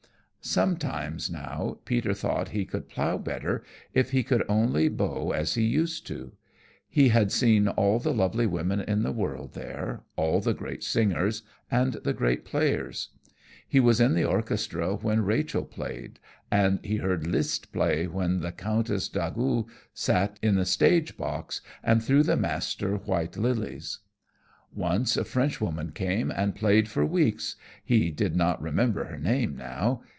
Sometimes now Peter thought he could plow better if he could only bow as he used to. He had seen all the lovely women in the world there, all the great singers and the great players. He was in the orchestra when Rachel played, and he heard Liszt play when the Countess d'Agoult sat in the stage box and threw the master white lilies. Once, a French woman came and played for weeks, he did not remember her name now.